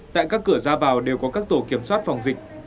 tại các cửa ra vào đều có các tổ kiểm soát phòng dịch